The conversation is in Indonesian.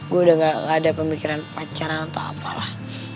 gue udah gak ada pemikiran pacaran atau apalah